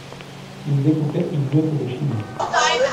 Il découplait une meute de chimères.